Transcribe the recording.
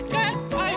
はい。